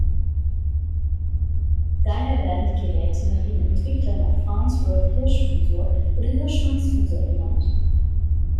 Daher werden die Geräte nach ihren Entwicklern auch Farnsworth-Hirsch-Fusor oder Hirsch-Meeks-Fusor genannt.